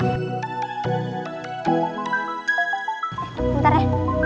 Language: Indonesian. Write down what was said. eh bentar ya